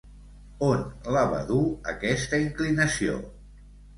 On la va dur aquesta inclinació?